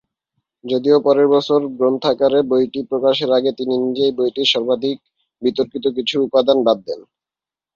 যদিও পরের বছর গ্রন্থাকারে বইটি প্রকাশের আগে তিনি নিজেই বইটির সর্বাধিক বিতর্কিত কিছু উপাদান বাদ দেন।